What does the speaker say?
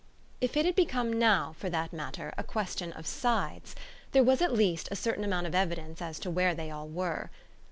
If it had become now, for that matter, a question of sides, there was at least a certain amount of evidence as to where they all were.